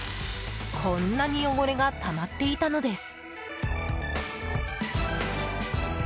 こんなに汚れがたまっていたのです。